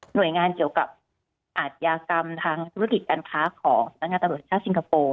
โดยงานเกี่ยวกับอาทยากรรมทางธุรกิจการค้าของสำนักงานตำรวจชาติสิงคโปร์